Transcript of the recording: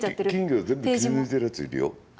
金魚全部、切り抜いてるやついるよ。